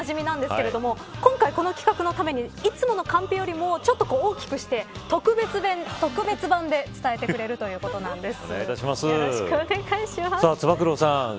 つば九郎といえばカンペ芸でおなじみなんですけれど今回この企画のためにいつものカンペよりもちょっと大きくして特別版で伝えてくれるということなんです。